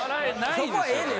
そこはええねん